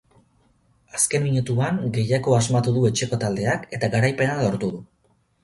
Azken minutuan gehiago asmatu du etxeko taldeak eta garaipena lortu du.